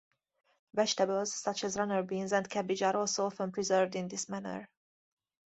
Vegetables such as runner beans and cabbage are also often preserved in this manner.